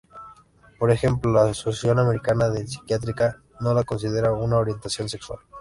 Por ejemplo, la Asociación Americana de Psiquiatría no la considera una orientación sexual.